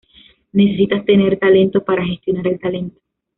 Necesitas tener talento para gestionar el talento.